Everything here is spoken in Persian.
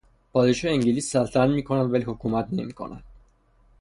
پادشاه انگلیس سلطنت میکند ولی حکومت نمیکند.